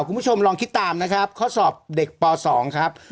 คุณผู้ชมลองคิดตามนะครับข้อสอบเด็กป๒ครับ